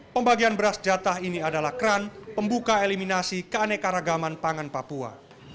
pembagian beras jatah ini adalah keran pembuka eliminasi keanekaragaman pangan papua